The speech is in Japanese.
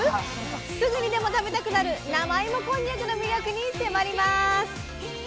すぐにでも食べたくなる生芋こんにゃくの魅力に迫ります。